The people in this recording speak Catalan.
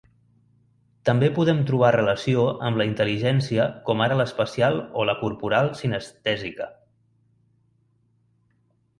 També podem trobar relació amb la intel·ligència com ara l'espacial o la corporal-cinestèsica.